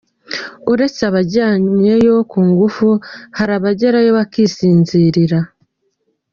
Uretse abajyanwayo ku ngufu hari abagerayo bakisinzirira!